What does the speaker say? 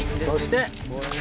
そして。